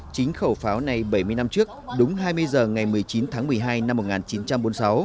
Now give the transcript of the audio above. chính khẩu pháo này bảy mươi năm trước đúng hai mươi h ngày một mươi chín tháng một mươi hai năm một nghìn chín trăm bốn mươi sáu